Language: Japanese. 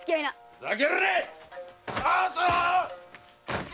ふざけるな！